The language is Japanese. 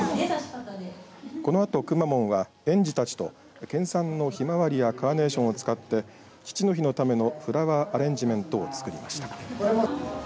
このあと、くまモンは園児たちと県産のひまわりやカーネーションを使って父の日のためのフラワーアレンジメントを作りました。